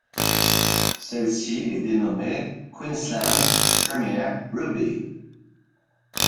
Celle-ci est dénommée Queensland Premier Rugby.